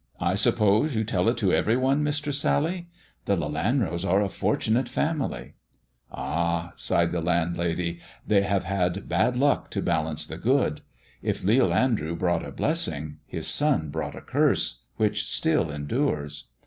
" I suppose you tell it to every one. Mistress Sally ? The Lelanros are a fortunate family." " Ah !" sighed the landlady, " they have had bad luck to balance the good. If Leal Andrew brought a blessing, his son brought a curse, which still endures."